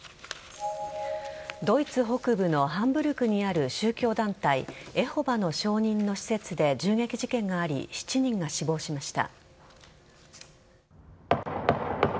ドイツ北部のハンブルクにある宗教団体・エホバの証人の施設で銃撃事件があり７人が死亡しました。